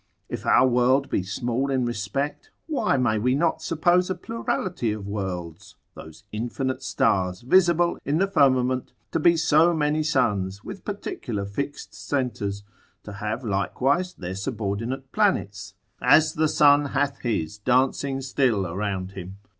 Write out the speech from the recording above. If our world be small in respect, why may we not suppose a plurality of worlds, those infinite stars visible in the firmament to be so many suns, with particular fixed centres; to have likewise their subordinate planets, as the sun hath his dancing still round him?